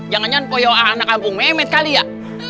jangan jangan poyok ah anak kampung mehmet kali ya